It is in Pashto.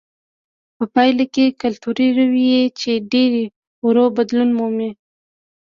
په پایله کې کلتوري رویې چې ډېر ورو بدلون مومي.